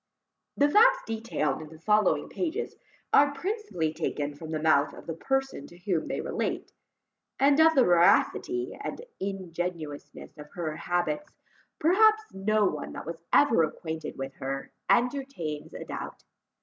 The facts detailed in the following pages, are principally taken from the mouth of the person to whom they relate; and of the veracity and ingenuousness of her habits, perhaps no one that was ever acquainted with her, entertains a doubt.